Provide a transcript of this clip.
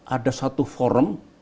ada satu forum